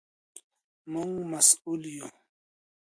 موږ مسؤل یو.